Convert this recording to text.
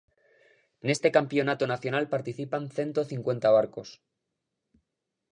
Neste campionato nacional participan cento cincuenta barcos.